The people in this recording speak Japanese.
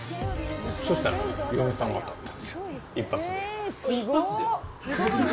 そしたら、嫁さんが当たったんですよ、一発で。